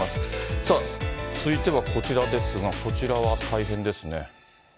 さあ、続いてはこちらですが、こちらは大変ですね。